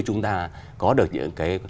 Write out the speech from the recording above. chúng ta có được những cái